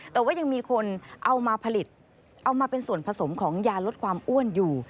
แต่ว่ายังมีคนเอามาผลิตเอามาเป็นส่วนผสมของยาลดความอ้วนอยู่